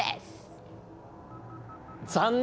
残念！